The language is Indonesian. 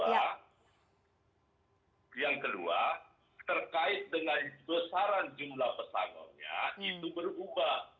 yang kedua terkait dengan besaran jumlah pesangonnya itu berubah